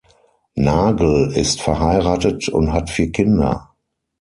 Nagl ist verheiratet und hat vier Kinder.